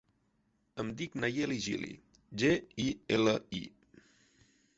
Em dic Nayeli Gili: ge, i, ela, i.